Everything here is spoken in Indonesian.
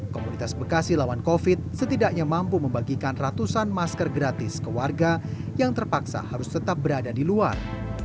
komunitas bekasi lawan covid sembilan belas setidaknya mampu membagikan ratusan masker gratis ke warga yang terpaksa harus tetap berada di luar